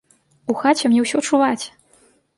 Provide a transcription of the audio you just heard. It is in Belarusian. У хаце мне ўсё чуваць.